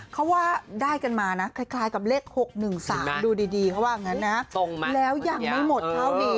เขาว่าได้กันมานะคล้ายคล้ายกับเลขหกหนึ่งสามดูดีดีเขาว่างั้นนะตรงมากแล้วยังไม่หมดเท่านี้